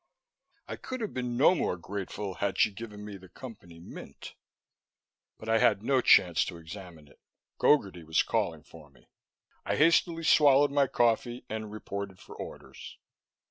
I could have been no more grateful had she given me the Company Mint. But I had no chance to examine it. Gogarty was calling for me. I hastily swallowed my coffee and reported for orders.